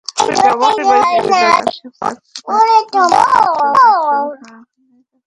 যেসব কারখানা এখনো কাজ শুরু করেনি, তাদের চুক্তি বাতিল করে দেওয়া হবে।